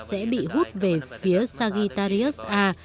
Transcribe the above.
sẽ bị hút về phía sagittarius a